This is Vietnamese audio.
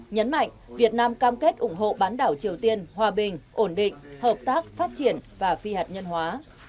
nhấn mạnh việt nam cam kết ủng hộ bán đảo triều tiên hòa bình ổn định hợp tác phát triển và phi hạt nhân hóa